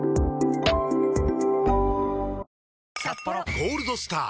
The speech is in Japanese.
「ゴールドスター」！